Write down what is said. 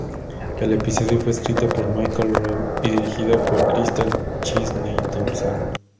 El episodio fue escrito por Michael Rowe y dirigida por Crystal Chesney-Thompson.